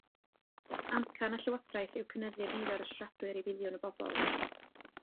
Amcan y Llywodraeth yw cynyddu'r nifer o siaradwyr i filiwn o bobl.